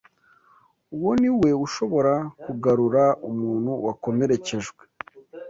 uwo niwe ushobora kugarura umuntu wakomerekejwe.